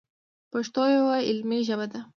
پښتو یوه علمي ژبه ده.